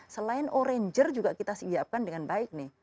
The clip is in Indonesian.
selain oranger juga kita siapkan dengan baik nih